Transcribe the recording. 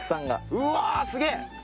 うわすげぇ。